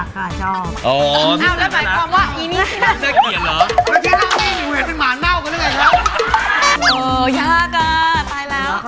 ก็น้องจ๊ะจ่าน่ารักค่ะชอบ